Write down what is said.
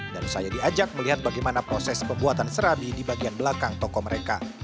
dan saya diajak melihat bagaimana proses pembuatan serabi di bagian belakang toko mereka